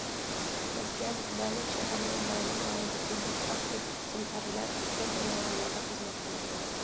مەسىلەن: مەلۇم شەھەرنىڭ مەلۇم رايونىدىكى مۇتلەق كۆپ قىسىم ئەرلەر چۆل- باياۋانلاردا خىزمەت قىلىدۇ.